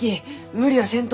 無理はせんと。